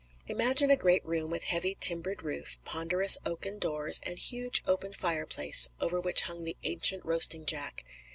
Imagine a great room with heavy timbered roof, ponderous oaken doors, and huge open fireplace over which hung the ancient roasting jack.